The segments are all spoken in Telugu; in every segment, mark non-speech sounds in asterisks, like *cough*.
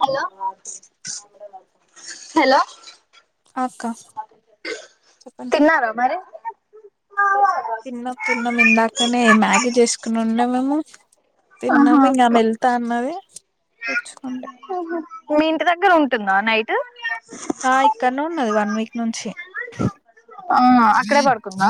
హలో హలో అ అక్క చెప్పండి తిన్నారా మరి తిన్నాం తిన్నం ఇందాకనే మ్యాగీ చేసుకుని ఉండే మేము తిన్నాము ఇంకా ఆమె వెళ్తా అన్నది కూర్చుకుండే హ మీ ఇంటి దగ్గర ఉంటుందా నైట్ ఆ ఇక్కన్నే ఉన్నది వన్ వీక్ నుంచి ఆ అక్కడే పడుకుందా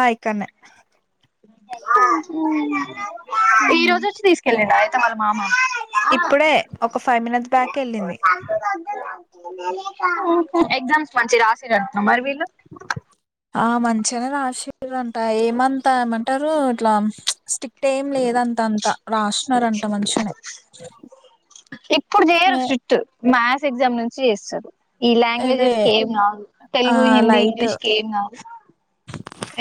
ఆ ఇక్కన్నే ఈ రోజోచ్చి తీసుకెళ్ళండి అత్తమ్మ మామ ఇప్పుడే ఒక ఫైవ్ మినిట్స్ బ్యాక్ వెళ్ళింది ఎగ్జామ్స్ మంచిగా రాసిర్రంటన మరివీళ్ళు ఆ మంచిగానే రాసిరంట ఏమంతా ఏమంటారు ఇట్లా స్టిక్ట్ ఏం లేదంత అంత రాస్తున్నారంట మంచిగనే ఇప్పుడు చేయరు స్ట్రిక్ట్ మ్యాథ్స్ ఎగ్జామ్ నుంచి చేస్తారు ఈ అదే లాంగ్వేజెస్కి ఏం కాదు ఆ తెలుగు హిందీ లైట్ ఇంగ్లీష్ కి ఏం కాదు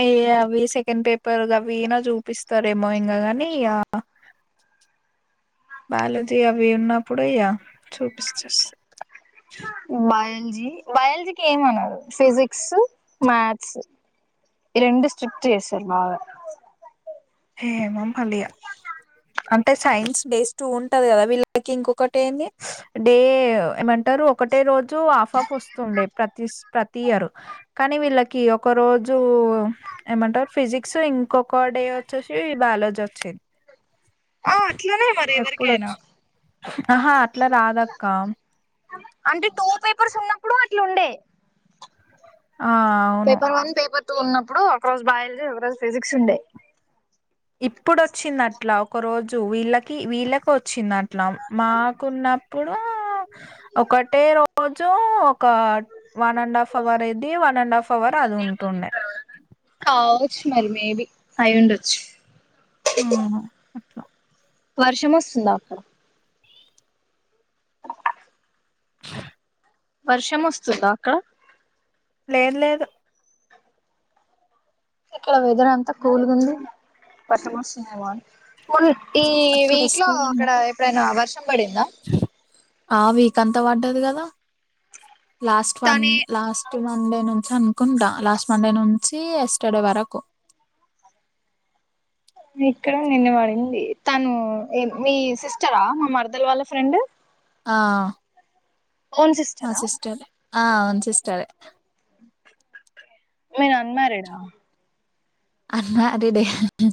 ఏ అవి సెకండ్ పెప్ పేర్ గావిన జూపిస్త్ స్తారేమో ఇంకా గాని ఇగ బయాలజీ అవి ఉన్నప్పుడు ఇగ చూపిస్తేస్తా బయ్ బయాలజీకి ఏమనారు ఫిజిక్స్ మ్యాథ్స్ ఈ రెండు స్ట్రిక్ట్ చేసారు బాగా ఏమో మళ్ళీ అంటే సైన్స్ డేస్ టూ ఉంటది కదా వీళ్ళకి ఇంకొకటి ఏంది డే ఏమంటారు ఒకటే రోజు హాఫ్ హాఫ్ వస్తుండే ప్రతిస్ ప్రతి ఇయర్ కానీ వీళ్ళకి ఒక రోజు ఏమంటారు ఫిజిక్స్ ఇంకొక డే చూసి బయాలజీ వచ్చింది ఆ అట్లనే మరి ఎవరికైనా ఎప్పుడచ్ ఆహా అట్లా రాదక్క అంటే టూ పేపర్స్ ఉన్నప్పుడు అట్లు ఉండే ఆ అవును పేపర్ వన్ పేపర్ టూ ఉన్నప్పుడు ఒక రోజు బయాలజీ ఒక రోజు ఫిజిక్స్ ఉండే ఇప్పుడు వచ్చింది అట్లా ఒక రోజు వీళ్ళకి వీళ్ళకి వచ్చింది అట్లా మాకున్నప్పుడు ఒకటే రోజు ఒక వన్ అండ్ హాఫ్ అవర్ ఇది వన్ అండ్ హాఫ్ అవర్ అది ఉంటుండే అయ్యి ఉండొచ్చు హుహు అట్లా వర్షం వస్తుందా అక్కడ *inaudible* వర్షం వస్తుందా అక్కడ లేదు లేదు ఇక్కడ వెదర్ ఎంత కూల్గా ఉంది వర్షం వస్తుందేమో అని మున్ ఈ అక్కడ వీక్ లో స్కూల్ అక్కడ ఎప్పుడైనా వర్ష్ వర్షంబడిందా ఆ వీక అంతా పడ్డది కదా లాస్ట్ వన్ తనే లాస్ట్ వన్ డే ను అనుకుంటా లాస్ట్ మండే నుంచి ఎస్టర్డే వరకు ఇక్కడ నిన్న వాడింది తను మీ సిస్టరా మా మరదలు వాళ్ళ ఫ్రెండ్ ఆ ఓన్ మా సిస్టరా సిస్టర్ ఏ ఆ ఓన్ సిస్టర్ హే మీరు అన్మ్యారీడ్డ్ హా అన్మ్యారీడ్ హే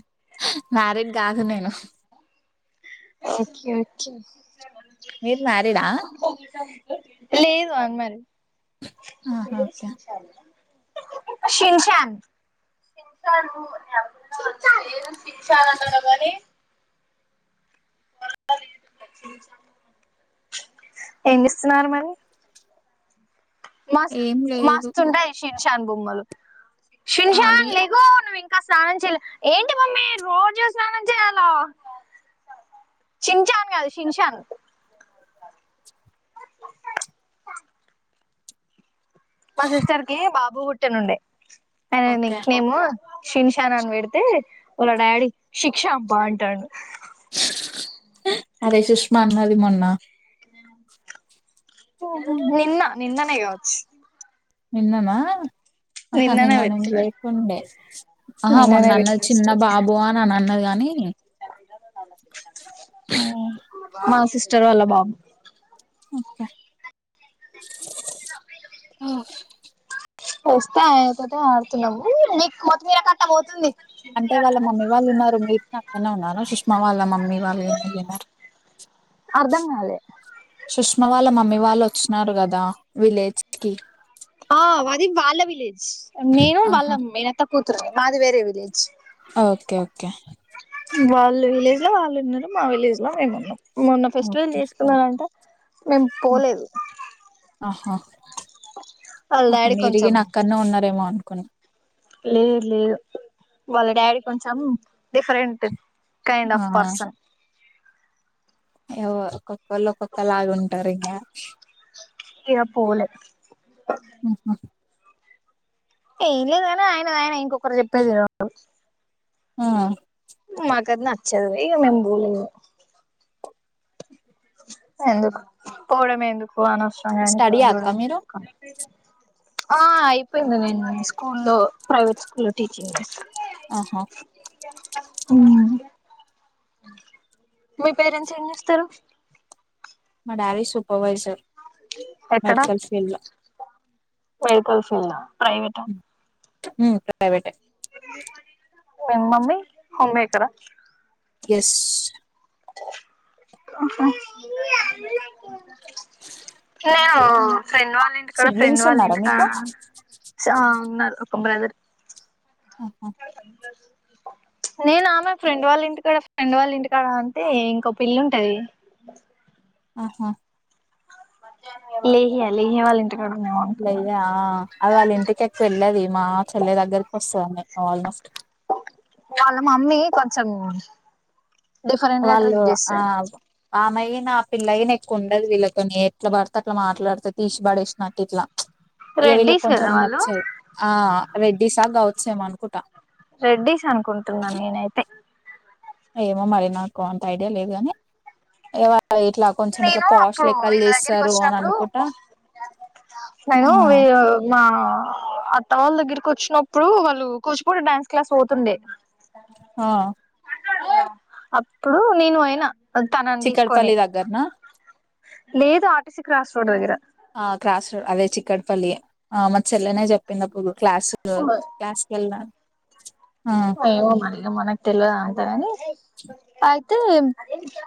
మ్యారీడ్ కాదు నేను ఓకే మీరు మ్యారీడా ఓకే లేదు అన్మ్యారీడ్ ఆహా ఓకే *inaudible* శిన్శాన్ సిసా సిన్షా అ ఏమి ఇస్తున్నారు మరి మస్ ఏం లేదు మస్తుండే యిషన్ షాన్ బొమ్మలు సిన్షన్ ఖాళీ లేగు నువ్విన్ స్నానం చేయలే ఏంటి మమ్మీ రోజు స్నానం చేయల చించాను కాదు శింసాన్ మా సిస్టర్కి బాబు పుట్ పుట్టనుండే ఆ ఓకే నిక్ నేము షిన్షానని పెడితే వాళ్ళ డాడీ శిక్ష బా అంటాడు అరే సుష్మా అన్నది మొన్నా నిన్న నిన్ననే కావచ్చు నిన్ననా అహ నిన్ననే నిన్న నేను పెట్టిన లేకుండే ఆహా మొన్న నిన్ననే అన్నది పెట్టిన చిన్న స్టోరీ బాబు అని అన్నది గాని చదవల్ల బాబు ఓకే డ వస్తే ఒకటే ఆడుతున్నాము. నీకు కొత్తి మీరకట్ట పోతుంది. అంటే వాళ్ళ మమ్మీ వాళ్ళు ఉన్నారు. మీరు నా అక్కన్నే ఉన్నార సుష్మా వాళ్ళ మమ్మీ వాళ్ళున్నారు. అర్ధం కాలే సుష్మా వాళ్ళ మమ్మీ వాళ్ళు వచ్చినారు కదా విలేజ్ కి ఆ అది వాళ్ళ విలేజ్ నేను వాళ్ళ ఆహా మేనత్త కూత్ మాది వేరే విలేజ్ ఓకే ఓకే వాళ్ళు విలేజ్ లో వాళ్ళు ఉన్నరు. మా విలేజ్ లో మేము ఉన్నం. మొన్న ఫెస్టివల్ ఓకే చేసుకున్నారంట. మేము పోలేదు వాళ్ళ ఆ డాడీ మీరిగి నా అక్కన్నే ఉన్నారేమో అనుకుని లే లేదు వాళ్ళ డాడీ కొంచం డిఫరెంట్ కైండ్ ఆ, ఆఫ్ పర్సన్ ఒక్కొక్కళ్ళు ఒక్కొక్క లాగ ఉంటరు ఇంగా ఇగ పోలే ఆ ఏం లేదు గాని ఆయన ఇంకొ ఇంకోరు చెప్పేది విను ఆ కద్ నచ్చదు ఇఅ మేం బోలేం ఇగ ఎందుక్ పోడమ్ ఎందుకు పోనసరంగాని స్టడీ తగ అక్క మీరు ఆ ఐపై నెన్ స్కూల్లో ప్రైవేట్ స్కూల్లో టీచింగ్ చేస్త ఆహా మ్ మీ పేరెంట్స్ ఏం చేస్తరు మా డాడి సూపవైసర్ ఎక్కడా వెహికల్స్ ఇలా ప్రైవేట మ్ ప్రైవేటె మ మమ్మీ హోమ్ మేకర ఎస్ అహ నేను ఫ్రెండ్ వాళ్ళ ఇంటి కాడ ఫ్రెండ్ సిబ్లింగ్స్ వాళ్ళ ఉన్నారా కాడ మీకు చ ఆ ఉన్నరు క బ్రద ఆహా *inaudible* నేను ఆమె ఫ్రెండ్ వాళ్ళ ఇంటికాడ ఫ్రెండ్ వాళ్ళ ఇంటికాడ అంటే ఇంకో పిళ్లుంటది ఆహా లేహ్యా లేెహ్యా వాళ లేయ్యా అది వాళ్ళ ఇంటికెంచి ఎళ్ళది మా చెల్లె దగ్గరకి స మె ఆల్మోస్ట్ వాళ్ళ మమ్మీ కొంచెం డిఫరెంట్ గా వాళ్ళు ట్రీట్ ఆ చేస్తది ఆమెయ్య నా పిల్ల గిన ఎక్కువ ఉండదు వీళ్ళతోని ఎట్లా పడితే అట్లా మాట్లాడితే తీసి బడేశ్నట్టిట్ల ఇగ వీళ్ళ రెడ్డీస్ కదా కొంచెం వాళ్ళు నచ్చది ఆ రెడ్డిసా గౌడ్స్ ఏమో అన్కుట రెడ్డీస్ అనుకుంటున్నా నేనైతే ఏమో మరి నాకు అంత ఐడియా లేదు గని ఇవ ఇట్లా కొంచెం ఇట్లా నేను పాష్ అప్పుడు లెక్కలు వీళ్ళ దగ్గరికి చేస్తారు అని ఒచ్చినప్పుడు అనుకుంటా నేను ఆ మా ఆ అత్త వాళ్ళ దగ్గరకి ఒచ్చినప్పుడు వాళ్ళు కుచిపూడి డ్యాన్స్ క్లాస్ పోతుండే ఆ అప్పుడు నేను అయినా తనని తీసుకొని చికడపల్లి దగ్గర నా లేదు ఆర్టీసీ క్రాస్ రోడ్ దగ్గర ఆ క్రాస్ రోడ్ అదే చిక్కట్పల్లి ఆ మా చెల్లినే చెప్పిందప్పుుడు క్లాస్ లో క్లాస్కిల్నా ఏమో మరిగ మనకి తెల్వద్ అదంత గని అతే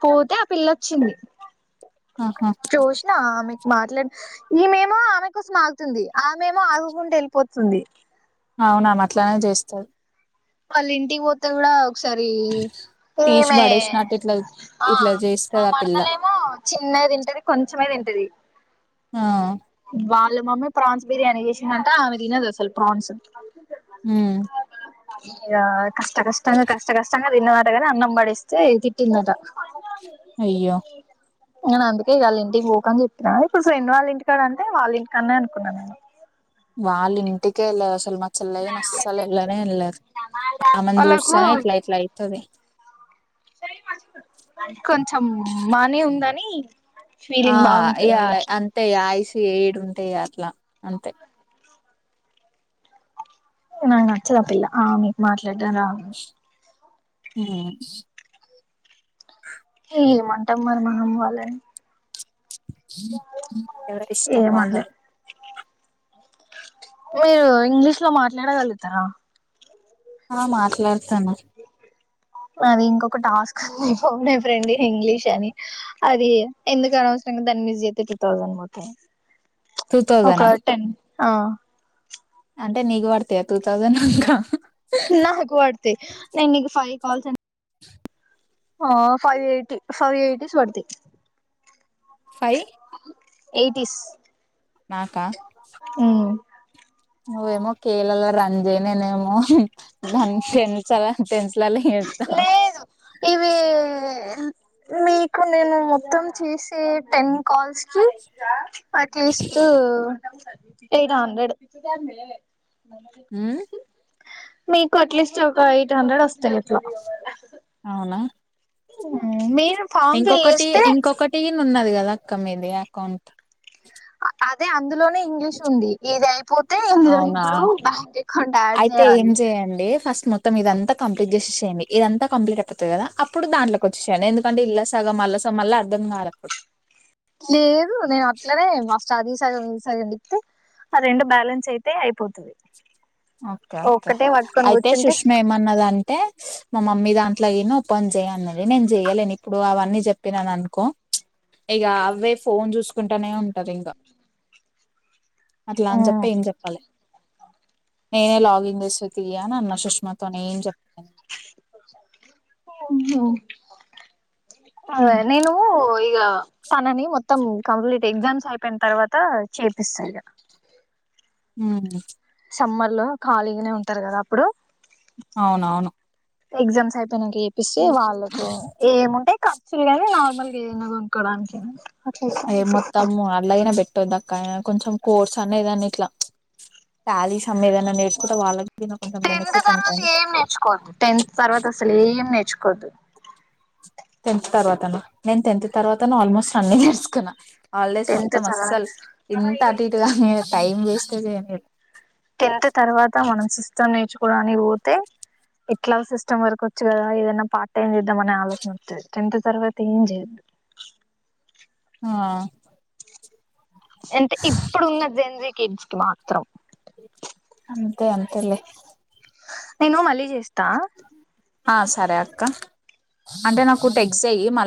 పోతే ఆ పిల్లొచ్చింది ఆహా చూసిన ఆమె మాట్లాడి ఈమేమో ఆమె కోసం ఆగుతుంది ఆ మేమో ఆగుకుండ వెళ్ళిపోతుంది తుంది అవునా ఆమె అట్లనే చేస్తాది వాళ్ళ ఇంటికి పోతే కూడా ఒకసారి తీసి మేమే పడేసినట్టు ఇట్లా ఆ ఇట్లా మా చేస్తది ఆ పిల్ల మరదలే ఏమో చిన్నగ తింటది కొంచమే తింటది ఆ వాళ్ళు మమ్మీ ప్రాన్స్ బిర్యానీ చేసిందంట ఆమె తినదు అసలు ప్రాన్స్ ఉమ్ ఇ కష్ట కష్టంగా కష్ట కష్టంగా దిన్నమాటగానే అన్నం పడేస్తే తిట్టిందట అయ్యో నేను అందుకే వాళ్ళ ఇంటికి పోకని చెప్పిన ఇప్పుడు ఫ్రెండ్ వాళ్ళ ఇంటిక్ ఇక్కడంటే వాళ్ళ ఇంకానే అనుకున్నాను నేను వాళ్ళ ఇంటికేలే అస్ చల్ మ చల్లన్ అస్సల్ ఎల్లనే వెళదు ఆమెను వాళ్ళకు చూసనే ఇట్లా ఇట్ల అయితది నీ ఆ ఇయ అంతే ఇగ ఐస్ ఏడు ఉంటాయి అట్లా అంతే నాక్ నచ్చదు ఆ పిల్ల ఆ మీ మాట్ ఎట్టర మ్మ్ *inaudible* ఏం అంటం మరి మనం వాళ్ళని ఎవరి ఇష్టం ఏమనలేం వాళ్ళది మీరు ఇంగ్లీష్ లో మాట్లాడగలుగుతారా ఆ మాట్లాడుతాను నాది ఇంకొక టాస్క్ *unintelligible* ఫోన్ ఏ ఫ్రెండ్ ఇంగ్లీష్ అని అది ఎందుకనవసరంగా దాని మిస్ అతే టూ థౌజండ్ పోతాయి టూ థౌజనా ఒక టెన్ ఆ అంటే నీకు పడతయ టూ తౌసండ్ అంక నాక్ వాడ్తయి నేను నీకు ఫైవ్ తౌసండ్ ఛ్ ఆ ఫైవ్ ఎయిటీ ఫైవ్ ఎయిటీస్ పడ్తాయి ఫై ఎయిటీస్ నాకా నువ్వేమో కేలల్లా రంజీ నేేనేేమో ద టన్సాల టెన్సెలల్ ఏతా లేదు ఇవి మీకు నేను మొత్తం చేసే టెన్ కాల్స్ అకేస్ ఎ హండ్రెడ్ పిచ్చిందనివే మ మీకు అట్లీస్ట్ ఒక ఎయిట్ హండ్రెడ్ వస్తాయి అట్లా అవునా మేన్ ఇంకొకటి ఇంకొకటి ఉన్నది కదా అక్క మీది అకౌంట్ అఆద్ ఇందులోనే ఇంగ్లీష్ ఉంది ఇది అయిపోతే ఇందులో అవునా ఇప్పుడు బ్యాంక్ అకౌంట్ అడ్ అయితే ఏం చేయాలి చేయండి ఫస్ట్ మొత్తం ఇదంతా కంప్లీట్ చేసేసేయండి ఇదంతా కంప్లీట్ అయిపోతతుంది కదా అప్పుడు దాంట్కి వచ్చేయండి ఎందుకంటే ఇల్లా సగ మళ్ళ స మళ్ళీ అర్థం కాలప్పుడు లేదు నేను అట్లనే మస్త్ చదిససగ నిలిప్తే ఆ రెండు బ్యాలెన్స్ అయితే అయిపోతుంది ఓకే ఓకే అయితే సుష్మ ఏమన్నదంటే స్ మా మమ్మీ దాంట్లో ఒఓపన్ చేయన్నడి నేను చెయలేను ఇప్పుడు అవన్నీ చెప్పినను అనుకో ఇక అవే ఫోన్ చూసుకుంటానే ఉంటంది ఇంగా అట్లా అని చెప్పే ఏం చెప్పాలి నేనే లాగిన్ చేసే తీయ అని అన్న సుష్మాతోనే ఏం చెప్పలే ఓహ అ నేను ఇ తనని మొత్తం కంప్లీట్ ఎగ్జామ్స్ అయిపోయిన తర్వాత చేపిస్తా ఇక హ చెమ్మర్లు ఖాళీగానే ఉంటారు కదా అప్పుడు అవునవును ఎగ్జా సయిపో న చప్పస్తే వాళ్ళలకు ఏముంటాయి ఖర్చులు నీ నార్మల్గా ఏదనా ఉ క్కనికినికి ఏ మత్తమ్ అలాగనా పెట్ట్టందాక కా కొంచెం కోర్స్ అన్న ఏదన్నా ఇట్లా టాలీస్ అమ్ ఏదన్నా నేర్చుకుంటే వాళ్ళకి దీని కొంచెం టెన్త్ బెనిఫిట్ తర్వాత ఉంటాయి ఏం నేర్చుకోద్దు టెన్త్ తర్వాత అసలు ఏం నేర్చుకోవద్దు టెన్త్ తర్వాతన నేను టెన్త్ తర్వాత ఆల్మోస్ట్ అన్ని ఇయర్స్కున్నా హాలిడేస్ టెన్త్ మొత్తం తర్వాత అస్సలు ఇంత అటుటుగా న టైం వేస్ట్ చేయరు సిం నేర్చుకోవడానికి పోతే ఇట్లా సిస్టమ్ వరకు వచ్చు కదా ఏదైనా పార్ట్ టైం చేద్దామనే ఆలోచన వచ్చంది టెన్త్ తర్వాత ఏం చేయద్దు ఆ అంటే ఇప్పుడున్న జెంజికిడ్స్ మాత్రం అంతే అంతే లే నేను మళ్ళీ చేస్తా తా ఆ సరే అక్క అంటే నాకు టెక్స్ట్ చెయ్యి మళీ